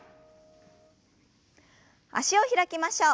脚を開きましょう。